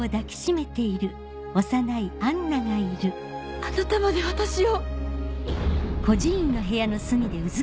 あなたまで私を